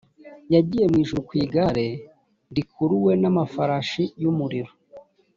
yagiye mu ijuru ku igare rikuruwe n’ amafarashi y’umuliro